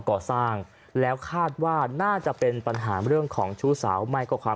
ก่อสร้างแล้วคาดว่าน่าจะเป็นปัญหาเรื่องของชู้สาวไม่ก็ความ